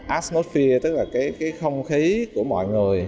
asthma fear tức là cái không khí của mọi người